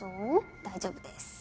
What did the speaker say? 大丈夫です。